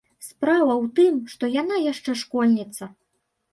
Справа ў тым, што яна яшчэ школьніца.